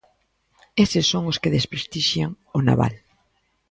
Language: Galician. Eses son os que desprestixian o naval.